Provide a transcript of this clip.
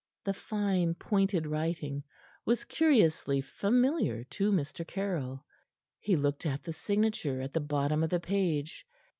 The fine, pointed writing was curiously familiar to Mr. Caryll. He looked at the signature at the bottom of the page.